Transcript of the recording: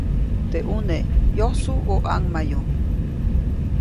Teʼ ʼune ¿yosu o ʼaŋmayu?